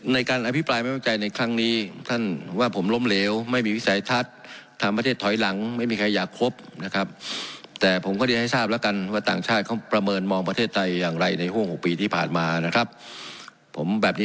ในการอภิปรายแม่งบ้างใจในครั้งนี้ท่านว่าผมล้มเหลวไม่มีวิสัยทัศน์